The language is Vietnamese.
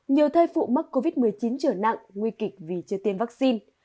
nhiều thai phụ mắc covid một mươi chín trở nặng nguy kịch vì chưa tiêm vaccine